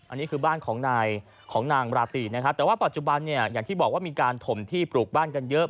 อันนี้คือบ้านของนายของนางราตรีนะครับแต่ว่าปัจจุบันเนี่ยอย่างที่บอกว่ามีการถมที่ปลูกบ้านกันเยอะ